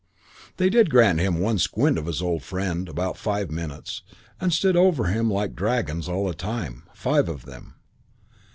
"They did grant him one squint of his old friend, about five minutes, and stood over him like dragons all the time, five of them.